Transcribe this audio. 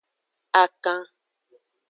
Akan.